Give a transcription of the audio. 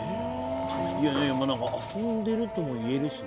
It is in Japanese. いやまあなんか遊んでるとも言えるしね。